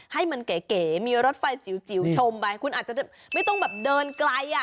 ให้มันเก๋มีรถไฟจิ๋วชมไปคุณอาจจะไม่ต้องแบบเดินไกลอ่ะ